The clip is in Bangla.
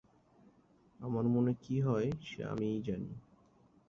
আমার মনে কী হয় সে আমিই জানি।